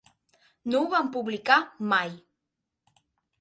No ho van publicar mai.